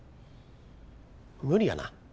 無理やな。